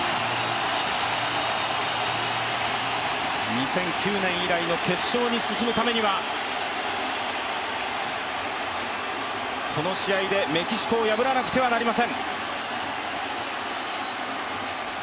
２００９年以来の決勝に進むためには、この試合でメキシコを破らなくてはなりません。